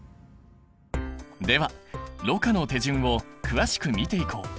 ではろ過の手順を詳しく見ていこう。